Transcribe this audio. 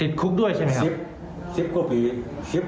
อ๋อติดคุกด้วยใช่ไหมครับ